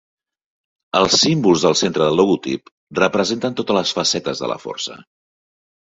Els símbols del centre del logotip representen totes les facetes de la força.